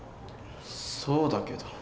そうだけど。